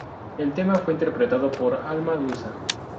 El tema fue interpretado por Alma Lusa.